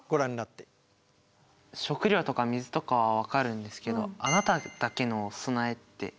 食料とか水とかは分かるんですけど「あなただけの備え」って。